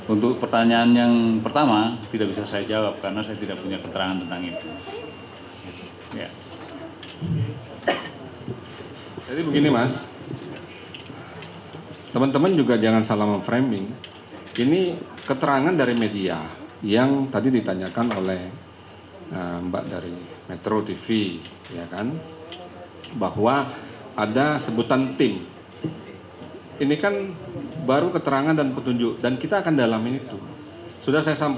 untuk pertanyaan yang pertama tidak bisa saya jawab karena saya tidak punya keterangan tentang itu